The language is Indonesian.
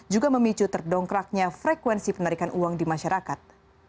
juga memicu terdongkraknya frekuensi penarikan uang di masyarakat